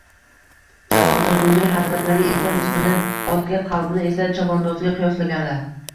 Jaloliddin Rumiy hazratlari inson jismini otga qalbni esa chavondozga qiyoslaganlar